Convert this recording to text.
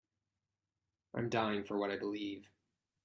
I'm dying for what I believe.